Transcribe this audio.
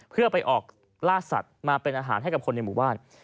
เพื่อไปออกล่าสัตว์มาเป็นอาหารให้กับคนในหมู่บ้าน